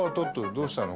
どうしたの？